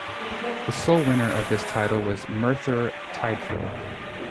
The sole winner of this title was Merthyr Tydfil.